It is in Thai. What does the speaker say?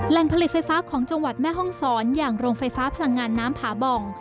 ผลิตไฟฟ้าของจังหวัดแม่ห้องศรอย่างโรงไฟฟ้าพลังงานน้ำผาบ่อง